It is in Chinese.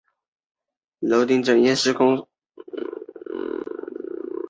现任中国技术市场协会副会长。